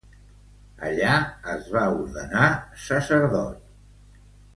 Allà es va ordenar sacerdot.